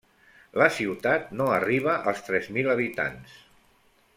La ciutat no arriba als tres mil habitants.